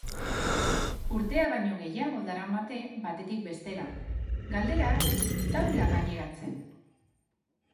Urtea baino gehiago daramate batetik bestera, galderak taula gaineratzen.